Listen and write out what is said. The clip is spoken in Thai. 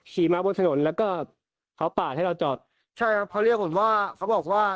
ขี่มาบนถนนแล้วก็เขาปาดให้เราจอดใช่ครับเขาเรียกผมว่าเขาบอกว่า